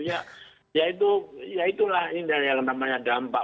ya itulah yang namanya dampak